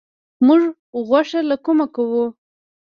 موږ غوښه له کومه کوو؟